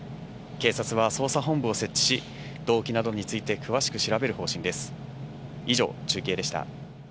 警察は捜査本部を設置し、動機などについて詳しく調べる方針です。